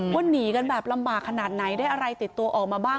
หนีกันแบบลำบากขนาดไหนได้อะไรติดตัวออกมาบ้าง